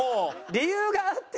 理由があって。